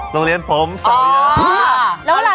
โรงเรียนปมสาวยะ